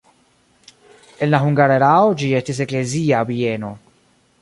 En la hungara erao ĝi estis eklezia bieno.